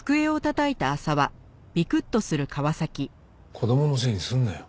子供のせいにするなよ。